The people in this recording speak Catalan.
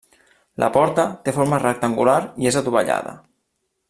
La porta té forma rectangular i és adovellada.